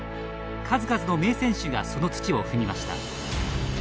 数々の名選手がその土を踏みました。